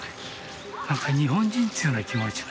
何か日本人っていうような気持ちが。